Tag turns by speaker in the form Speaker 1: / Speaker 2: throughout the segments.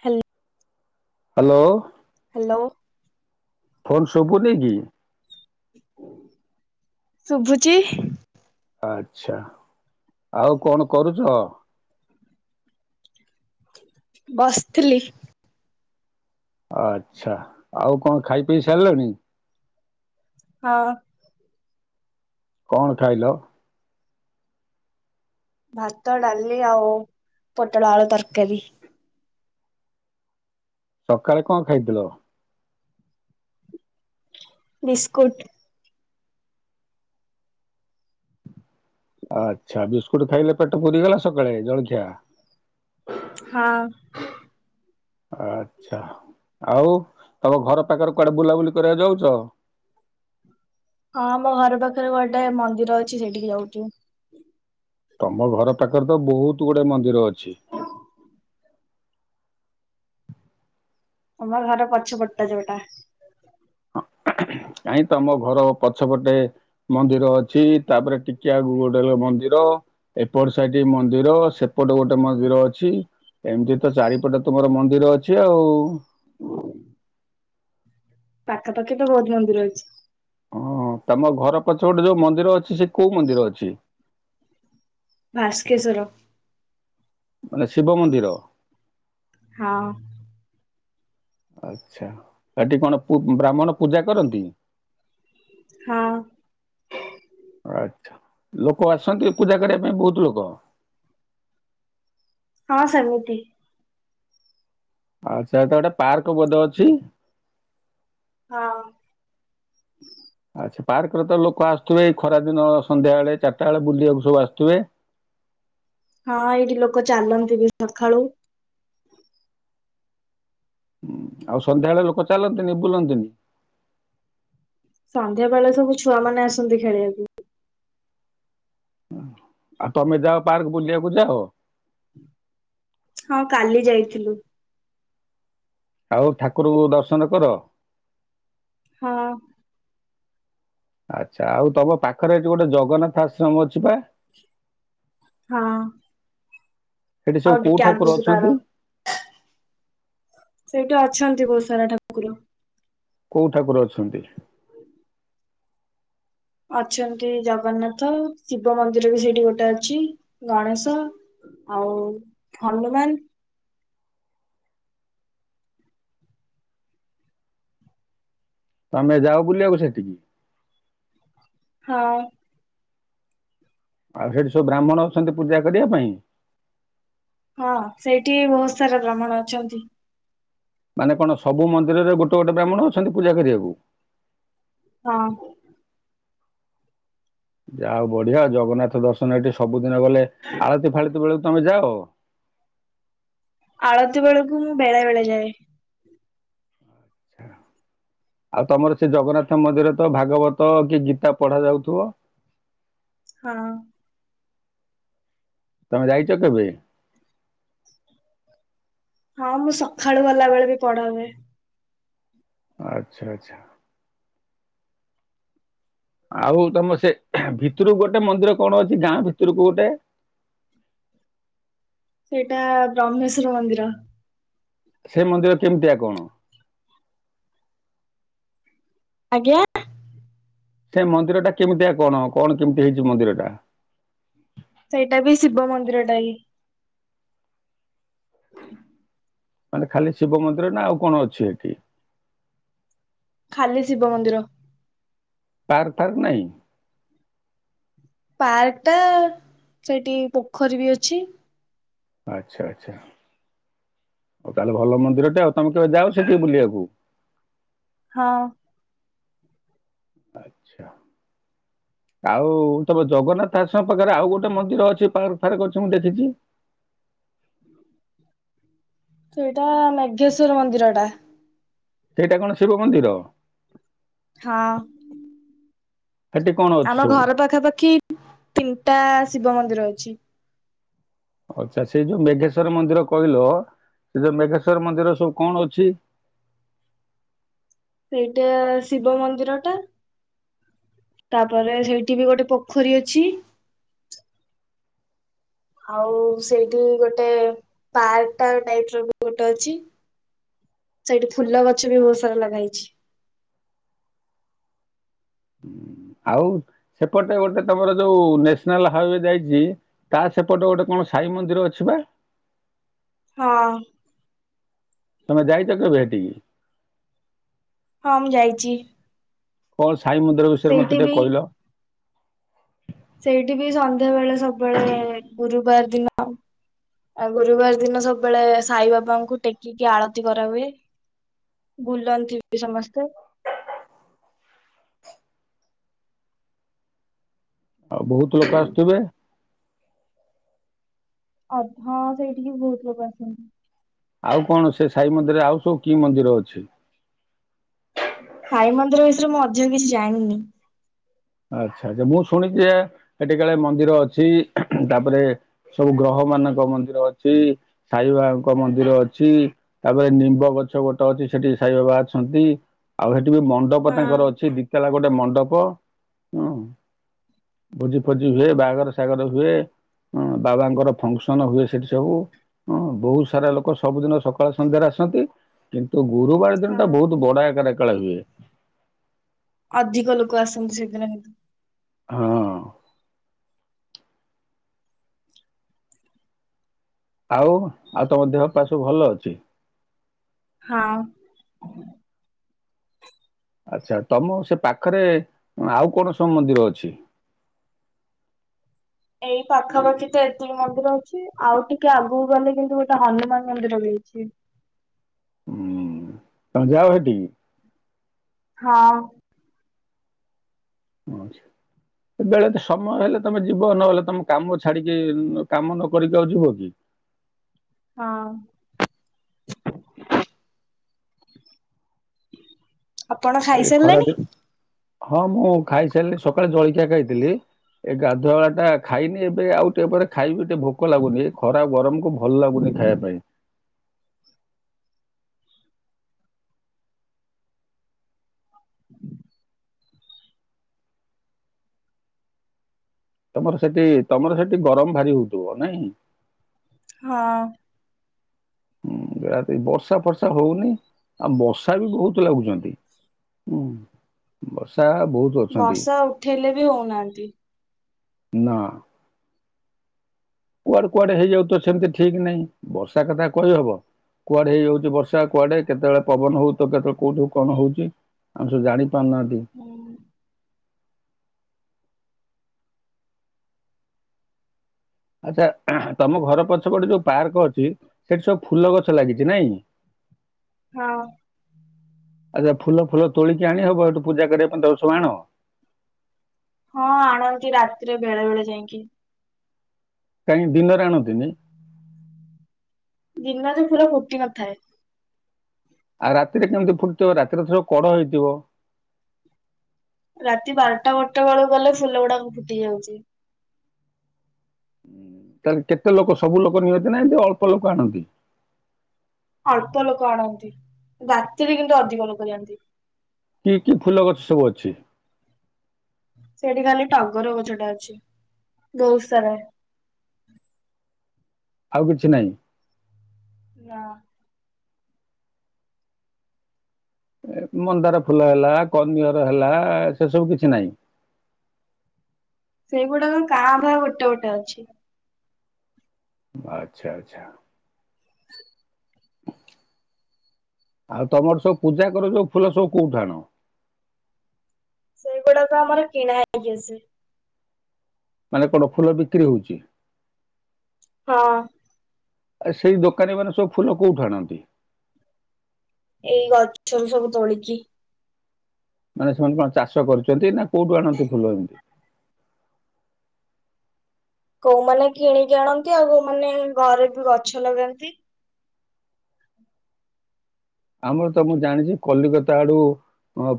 Speaker 1: Hello
Speaker 2: hello phone ଶୁବୁନି କି?
Speaker 1: ଶୁଭୁଛି।
Speaker 2: ଆଚ୍ଛା। ଆଉ କଣ କରୁଛ?
Speaker 1: ବସିଥିଲି।
Speaker 2: ଆଚ୍ଛା ଆଉ କଣ ଖାଇ ପିଇ ସାରିଲଣି?
Speaker 1: ହଁ।
Speaker 2: କଣ ଖାଇଲ?
Speaker 1: ଭାତ ଡାଲି ଆଉ ପୋଟଳ ଆଳୁ ତରକାରୀ।
Speaker 2: ସକାଳେ କଣ ଖାଇଥିଲ?
Speaker 1: ବିସ୍କୁଟ।
Speaker 2: ଆଚ୍ଛା ବିସ୍କୁଟ ଖାଇଲେ ପେଟ ପୁରିଗଲା ସକାଳେ ଜଳଖିଆ
Speaker 1: ହଁ
Speaker 2: ଆଚ୍ଛା ଆଉ ତମ ଘର ପାଖରେ କୁଆଡେ ବୁଲାବୁଲି କରିବାକୁ ଯାଉଚ।
Speaker 1: ହଁ ଆମ ଘର ପାଖରେ ଗୋଟେ ମନ୍ଦିର ଅଛି ସେଇଟି କି ଯାଉଚୁ।
Speaker 2: ତମ ଘର ପାଖରେ ତ ବହୁତ ଗୁଡାଏ ମନ୍ଦିର ଅଛି।
Speaker 1: ତମର ଘର ପଛପଟ୍ ଟା ଯୋଉଟା
Speaker 2: କାହିଁ ତମ ଘର ପଛପଟେ ମନ୍ଦିର ଅଛି ତାପରେ ଟିକିଆଗକୁ ଗୋଟେ ମନ୍ଦିର ଏପଟ ସାଇଟ୍ ମନ୍ଦିର ସେପଟେ ଗୋଟେ ମନ୍ଦିର ଅଛି ଏମିତି ତ ଚାରିପଟେ ତମର ମନ୍ଦିର ଅଛି ଆଉ।
Speaker 1: [inaudible] ପାଖାପାଖି ତ ବହୁତ ମନ୍ଦିର ଅଛି।
Speaker 2: ଅଂ ତମ ଘରପଛ ପଟେ ଯୋଉ ମନ୍ଦିର ଅଛି ସେ କୋଉ ମନ୍ଦିର ଅଛି।
Speaker 1: ଭାସ୍କେଶ୍ୱର
Speaker 2: ମାନେ ଶିବ ମନ୍ଦିର।
Speaker 1: ହଁ
Speaker 2: ଆଛା ହେଟି କଣ ପୁ ବ୍ରାହ୍ମଣ ପୂଜା କରନ୍ତି।
Speaker 1: ହଁ
Speaker 2: ଆଛା ଲୋକ ଆସନ୍ତି ପୂଜା କରିବା ପାଇଁ ବହୁତ। [unintelligible]
Speaker 1: ହଁ ସେମିତି।
Speaker 2: ଆଛା ତ [unintelligible] ପାର୍କ ବୋଧେ ଅଛି।
Speaker 1: ହଁ
Speaker 2: ସେ ପାର୍କରେ ତ ଲୋକ ଆସୁିଥିବେ ଏଇ ଖରା ଦିନ ସନ୍ଧ୍ୟା ବେଳେ ଚାରିଟା ବେଳେ ବୁଲିବାକୁ ସବୁ ଆସୁଥିବେ।
Speaker 1: ହଁ ଏଇଠି ଲୋକ ଚାଲନ୍ତି ବି ସକାଳୁ।
Speaker 2: ହୁଁ ଆଉ ସନ୍ଧ୍ୟାବେଳେ ଲୋକ ଚାଲନ୍ତିନି ବୁଲନ୍ତିନି।
Speaker 1: ସନ୍ଧ୍ୟା ବେଳେ ସବୁ ଛୁଆ ମାନେ ଆସନ୍ତି ଖେଳିବାକୁ।
Speaker 2: ଆଉ ତୋମେ ଯାଅ ପାର୍କ ବୁଲିବାକୁ ଯାଅ?
Speaker 1: ହଁ କାଲି ଯାଇଥିଲୁ।
Speaker 2: ଆଉ ଠାକୁରଙ୍କୁ ଦର୍ଶନ କର?
Speaker 1: ହଁ।
Speaker 2: ଆଚ୍ଛା ଆଉ ତୋମ ପାଖରେ ଏଠି ଗୋଟେ ଜଗନ୍ନାଥ ଆଶ୍ରମ ଅଛି ପା?
Speaker 1: ହଁ।
Speaker 2: ସେଠି
Speaker 1: ଆଉ
Speaker 2: ସବୁ କୋଉ
Speaker 1: ଟିକେ
Speaker 2: ଠାକୁର
Speaker 1: ଆଗକୁ ତାର
Speaker 2: ଅଛନ୍ତି?
Speaker 1: ସେଇଟି ଅଛନ୍ତି ବହୁତ ସାରା ଠାକୁର।
Speaker 2: କୋଉ ଠାକୁର ଅଛନ୍ତି?
Speaker 1: ଅଛନ୍ତି ଜଗନ୍ନାଥ, ଶିବ ମନ୍ଦିର ବି ସେଇଠି ଗୋଟେ ଅଛି, ଗଣେଶ ଆଉ ହନୁମାନ।
Speaker 2: ତୋମେ ଯାଅ ବୁଲିବାକୁ ସେଟିକି?
Speaker 1: ହଁ।
Speaker 2: ଆଉ ସେଠି ସବୁ ବ୍ରାହ୍ମଣ ଅଛନ୍ତି ପୂଜା କରିବା ପାଇଁ।
Speaker 1: ହଁ ସେଇଠି ବହୁତ ସାରା ବ୍ରାହ୍ମଣ ଅଛନ୍ତି।
Speaker 2: ମାନେ କଣ ସବୁ ମନ୍ଦିରରେ ଗୋଟେ ଗୋଟେ ବ୍ରାହ୍ମଣ ଅଛନ୍ତି ପୂଜା କରିବାକୁ?
Speaker 1: ହଁ।
Speaker 2: ଯା ହୋଉ ବଢିଆ ଜଗନ୍ନାଥ ଦର୍ଶନ ଏଠି ସବୁ ଦିନେ ଗଲେ ଆଳତି ଫାଳତି ବେଳକୁ ତୋମେ ଯାଅ?
Speaker 1: ଆଳତି ବେଳକୁ ମୁଁ ବେଳେ ବେଳେ ଯାଏ।
Speaker 2: ଛା ଆଉ ତୋମର ସେ ଜଗନ୍ନାଥ ମନ୍ଦିରେ ତ ଭାଗବତ କି ଗୀତା ପଢା ଯାଉଥୁବ?
Speaker 1: ହଁ।
Speaker 2: ତୋମେ ଯାଇଚ କେବେ?
Speaker 1: ହଁ ମୁଁ ସଖାଳୁ ଗଲା ବେଳେ ବି ପଢା ହୁଏ।
Speaker 2: ଆଚ୍ଛା ଆଚ୍ଛା। ଆଉ ତୋମ ସେ ଭିତରକୁ ଗୋଟେ ମନ୍ଦିର କଣ ଅଛି ଗାଁ ଭିତରକୁ ଗୋଟେ।
Speaker 1: ସେଇଟା ବ୍ରହ୍ମେଶ୍ଵର ମନ୍ଦିର।
Speaker 2: ସେ ମନ୍ଦିର କେମିତିଆ କଣ?
Speaker 1: ଆଜ୍ଞା?
Speaker 2: ସେ ମନ୍ଦିର ଟା କେମିତିଆ କଣ? କଣ କେମିତି ହେଇଚି ମନ୍ଦିର ଟା?
Speaker 1: ସେଇଟା ବି ଶିବ ମନ୍ଦିରଟା ହି।
Speaker 2: ମାନେ ଖାଲି ଶିବ ମନ୍ଦିର ନା ଆଉ କଣ ଅଛି ଏଠି?
Speaker 1: ଖାଲି ଶିବ ମନ୍ଦିର।
Speaker 2: ତାରଥାର ନାଇଁ?
Speaker 1: ପାର୍କ ଟା ସେଠି ପୋଖରୀ ବି ଅଛି।
Speaker 2: ଆଚ୍ଛା ଆଚ୍ଛା ଆଉ ତାହେଲେ ଭଲ ମନ୍ଦିରଟେ ଆଉ ତୋମେ କେବେ ଯାଅ ସେଠି ବୁଲିବାକୁ?
Speaker 1: ହଁ।
Speaker 2: ଆଚ୍ଛା ଆଉ ତୋମ ଜଗନ୍ନାଥ ତା ସଂମ୍ପର୍କ ରେ ଆଉ ଗୋଟେ ମନ୍ଦିର ଅଛି ପାର୍ ଫେର କହିଛ ମୁଁ ଦେଖିଚି।
Speaker 1: ସେଇଟା ମେଘେଶ୍ଵର ମନ୍ଦିର ଟା।
Speaker 2: ସେଇଟା କଣ ଶିବ ମନ୍ଦିର?
Speaker 1: ହଁ।
Speaker 2: ସେଠି କଣ ଅଛି
Speaker 1: ଆମ
Speaker 2: ସବୁ?
Speaker 1: ଘର ପାଖାପାଖି ତିନିଟା ଶିବ ମନ୍ଦିର ଅଛି।
Speaker 2: ଅଛା ସେଇ ଯୋଉ ମେଘେଶ୍ଵର ମନ୍ଦିର କହିଲ ସେ ଯୋଉ ମେଘେଶ୍ଵର ମନ୍ଦିର ସବୁ କଣ ଅଛି।
Speaker 1: ସେଇଟା ଶିବ ମନ୍ଦିରଟା, ତାପରେ ସେଇଠି ବି ଗୋଟେ ପୋଖରୀ ଅଛି। ଆଉ ସେଇଠି ଗୋଟେ ପାର୍କ ଟାଇପର ବି ଗୋଟେ ଅଛି, ସେଇଠି ଫୁଲ ଗଛ ବି ବହୁତ ସାରା ଲଗା ହେଇଛି।
Speaker 2: ଆଉ ସେପଟେ ଗୋଟେ ତମର ଯୋଉ ନ୍ୟାସନାଲ ହାଇୱେ ଯାଇଛି ତା ସେପଟେ ଗୋଟେ କଣ ସାଇ ମନ୍ଦିର ଅଛି ବା।
Speaker 1: ହଁ।
Speaker 2: ତମେ ଯାଇଛ କେବେ ହେଠିକି।
Speaker 1: ହଁ ମୁଁ ଯାଇଛି।
Speaker 2: [unintelligible] ସାଇ ମନ୍ଦିର ବିଷୟରେ
Speaker 1: ସେଇଠି
Speaker 2: ମତେ ଟିକେ
Speaker 1: ବି
Speaker 2: କହିଲ।
Speaker 1: ସେଇଠି ବି ସନ୍ଧ୍ୟା ବେଳେ ସବୁବେଳେ ଗୁରୁବାର ଦିନ ଆ ଗୁରୁବାର ଦିନ ସବୁବେଳେ ସାଇ ବାବାଙ୍କୁ ଟେକିକି ଆଳତି କରାହୁଏ, ବୁଲନ୍ତି ବି ସମସ୍ତେ
Speaker 2: ଆଉ ବହୁତ ଲୋକ ଆସୁଥିବେ।
Speaker 1: ଅ ହଁ ସେଇଠିକି ବହୁତ ଲୋକ ଆସନ୍ତି।
Speaker 2: ଆଉ କଣ ସେ ସାଇ ମନ୍ଦିରରେ ଆଉ ସବୁ କି ମନ୍ଦିର ଅଛି।
Speaker 1: ସାଇ ମନ୍ଦିର ବିଷ ରେ ମୁଁ ଅଧିକ କିଛି ଜାଣିନି।
Speaker 2: ଆଚ୍ଛା ମୁଁ ଶୁଣିଛି ୟେ ସେଠି କାଳେ ମନ୍ଦିର ଅଛି, ହୁଁ ହୁଁ ତାପରେ ସବୁ ଗ୍ରହ ମାନଙ୍କ ମନ୍ଦିର ଅଛି, ସାଇବାବାଙ୍କ ମନ୍ଦିର ଅଛି, ତାପରେ ନିମ୍ବ ଗଛ ଗୋଟେ ଅଛି ସେଠି ସାଇବାବା ଅଛନ୍ତି ଆଉ ହେ ସେଠି ମଣ୍ଡପ
Speaker 1: ହଁ
Speaker 2: ତାଙ୍କର ଅଛି, ଦିତଲା ଗୋଟେ ମଣ୍ଡପ ହବ। ହୁଁ ଭୋଜି ଫୋଜି ହୁଏ, ବାହାଘର ସାହାଘର ହୁଏ, ହଁ ବାବାଙ୍କର ଫଙ୍କସନ ହୁଏ, ସେଠି ସବୁ ହଁ ବହୁତ ସାରା ଲୋକ ସବୁଦିନ ସକାଳେ ସନ୍ଧ୍ୟାରେ ଆସନ୍ତି କିନ୍ତୁ ଗୁରୁବାର ଦିନଟା
Speaker 1: ହଁ।
Speaker 2: ବହୁତ ବଡ ଆକା [unintelligible] ହୁଏ।
Speaker 1: ଅଧିକ ଲୋକ ଆସନ୍ତି ସେଦିନ କିନ୍ତୁ।
Speaker 2: ହଁଅଅ। ଆଉ ଆଉ ତମ ଦେହ ପା ସବୁ ଭଲ ଅଛି।
Speaker 1: ହଁ।
Speaker 2: ଆଛା ତମ ସେ ପାଖରେ ଆଉ କଣ ସବୁ ମନ୍ଦିର ଅଛି।
Speaker 1: ଏଇ ପାଖାପାଖି ତ ଏତିକି ମନ୍ଦିର ଅଛି ଆଉ ଟିକେ ଆଗକୁ ଗଲେ କିନ୍ତୁ ଗୋଟେ ହନୁମାନ ମନ୍ଦିର ବି ଅଛି।
Speaker 2: ହୁଁ। ତମେ ଯାଅ ହେଠିକି।
Speaker 1: ହଁ।
Speaker 2: [unintelligible] ବେଳେ ତ ସମୟ ହେଲେ ତମେ ଯିବ ନହେଲେ ତମେ କାମ ଛାଡିକି ଉଁ କାମ ନ କରିକି ଆଉ ଯିବ କି।
Speaker 1: ହଁ। ଆପଣ
Speaker 2: ଆଉ
Speaker 1: ଖାଇ
Speaker 2: ଏ ଖରାଦିନ
Speaker 1: ସାରିଲେଣି।
Speaker 2: ହଁ ମୁଁ ଖାଇସାରିଲି ସକାଳେ ଜଳଖିଆ ଖାଇଥିଲି ଏ ଗାଧୁଆଳା ଟା ଖାଇନି ଏବେ ଆଉ ଟିକେ ପରେ ଖାଇବି। ଏତେ ଭୋକ ଲାଗୁନି ଏ ଖରା ଗରମକୁ ଭଲ ଲାଗୁନି ଖାଇବା ପାଇଁ। ତମର ସେଠି ତମର ସେଠି ଗରମ ଭାରି ହଉଥିବ ନାଇଁ।
Speaker 1: ହଁ।
Speaker 2: ହୁଁ ନିହାତି ବର୍ଷା ଫର୍ଷା ହଉନି ଆଉ ମଶା ବି ବହୁତ ଲାଗୁଛନ୍ତି ହୁଁ ବର୍ଷା ବହୁତ ଅଛନ୍ତି
Speaker 1: ବର୍ଷା ଉଠେଇଲେ ବି ହଉନାହାନ୍ତି।
Speaker 2: ନା କୁଆଡେ କୁଆଡେ ହେଇଯାଉ ତ ସେମିତି ଠିକ ନାହିଁ ବର୍ଷା କଥା କହିହବ କୁଆଡେ ହେଇଯାଉଛି ବର୍ଷା କୁଆଡେ କେତେବେଳେ ପବନ ହଉ ତ କେତେବେଳେ କୋଉଠୁ କଣ ହଉଛି ଆମେ ସବୁ ଜାଣି ପାନାଡ଼ି
Speaker 1: ହୁଁ
Speaker 2: ଆଚ୍ଛା ତମ ଘର ପଛପଟେ ଯୋଉ ପାର୍କ ଅଛି ସେଠି ସବୁ ଫୁଲ ଗଛ ଲାଗିଛି ନାଇଁ
Speaker 1: ହଁ
Speaker 2: ଆଚ୍ଛା ଫୁଲ ଫୁଲ ତୋଳିକି ଆଣି ହବ ଏଠୁ ପୂଜା କରିବା ପାଇଁ ତର ସବୁ ଆଣ
Speaker 1: ହଁ ଆଣନ୍ତି ରାତିରେ ବେଳେ ବେଳେ ଯାଇକି
Speaker 2: କାଇଁ ଦିନରେ ଆଣଛନ୍ତି ନି
Speaker 1: ଦିନରେ ଫୁଲ ଫୁଟି ନଥାଏ।
Speaker 2: ଆଉ ରାତିରେ କେମିତି ଫୁଟଥିବ ରାତିରେ ତ କଢ ହେଇଥିବ।
Speaker 1: ରାତି ବାରଟା ଗୋଟା ବେଳକୁ ଗଲେ ଫୁଲ ଗୁଡାକ ଫୁଟି ଯାଉଛି।
Speaker 2: ତାହାଲେ କେତେ ଲୋକ ସବୁ ଲୋକ ନିଅନ୍ତି ନା ଅଳ୍ପ ଲୋକ ଆଣନ୍ତି।
Speaker 1: ଅଳ୍ପ ଲୋକ ଆଣନ୍ତି ରାତିରେ କିନ୍ତୁ ଅଧିକ ଲୋକ ଯାଆନ୍ତି।
Speaker 2: କି କି ଫୁଲ ଗଛ ସବୁ ଅଛି।
Speaker 1: ସେଇଠି ଖାଲି ଟଗର ଗଛ ଟା ଅଛି ଗଉସାର
Speaker 2: ଆଉ କିଛି ନାହିଁ।
Speaker 1: ନା
Speaker 2: ମନ୍ଦାର ଫୁଲ ହେଲା କରନିଅର ହେଲା ସେ ସବୁ କିଛି ନାହିଁ।
Speaker 1: ସେଇଗୁଡାକ କାଁ ଭା ଗୋଟେ ଗୋଟେ ଅଛି।
Speaker 2: ଆଛା ଆଛା ଆଉ ତମର ସବୁ ପୂଜା କର ସୋଉ ଫୁଲ ସବୁ କୋଉଠୁ ଆଣ?
Speaker 1: ସେଗୁଡାକ ଆମର କିଣା ହେଇକି ଆସେ।
Speaker 2: ମାନେ କଣ ଫୁଲ ବିକ୍ରି ହଉଛି।
Speaker 1: ହଁ
Speaker 2: ଆ ସେଇ ଦୋକାନୀ ମାନେ ସବୁ ଫୁଲ କୋଉଠୁ ଆଣନ୍ତି?
Speaker 1: ଏଇ ଗଛରୁ ସବୁ ତୋଳିକି।
Speaker 2: ମାନେ ସେମାନେ କଣ ଚାଷ କରିଛନ୍ତି ନା କୋଉଠୁ ଆଣନ୍ତି ଫୁଲ ଏମିତି
Speaker 1: କୋଉମାନେ କିଣିକି ଆଣନ୍ତି ଆଉ କୋଉମାନେ ଘରେ ବି ଗଛ ଲଗାନ୍ତି।
Speaker 2: ଆମର ତ ମୁଁ ଜାଣିଛି କଲିକତା ଆଡୁ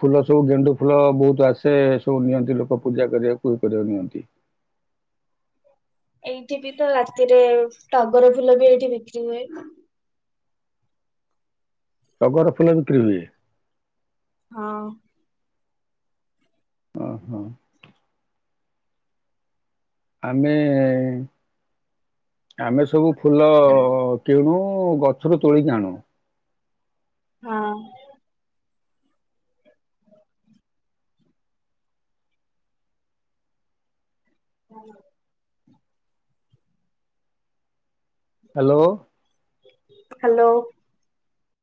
Speaker 2: ଫୁଲ ସବୁ ଗେଣ୍ଡୁ ଫୁଲ ବହୁତ ଆସେ ସବୁ ନିଅନ୍ତି ଲୋକ ପୂଜା କରିବାକୁ ଇଏ କରିବାକୁ ନିଅନ୍ତି।
Speaker 1: ଏଇଠି ବି ତ ରାତିରେ ଟଗର ଫୁଲ ବି ଏଇଠି ବିକ୍ରି ହୁଏ।
Speaker 2: ଚଗର ଫୁଲ ବିକ୍ରି ହୁଏ।
Speaker 1: ହଁ
Speaker 2: ଓ ହୋ ଆମେ ଆମେ ସବୁ ଫୁଲ କିଣୁ ଓ ଗଛରୁ ତୋଳିକି ଆଣୁ।
Speaker 1: ହଁ ହଁ
Speaker 2: ହ୍ୟାଲୋ
Speaker 1: ହ୍ୟାଲୋ